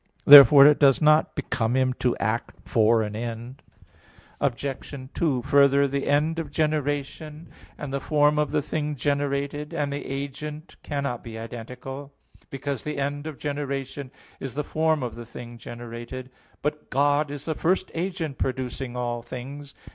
Therefore it does not become Him to act for an end. Obj. 2: Further, the end of generation, and the form of the thing generated, and the agent cannot be identical (Phys. ii, text 70), because the end of generation is the form of the thing generated. But God is the first agent producing all things.